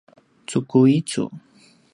cukui cu